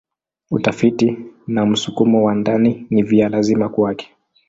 Utafiti na msukumo wa ndani ni vya lazima kwake.